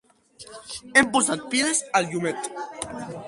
Hem posat piles al llumet.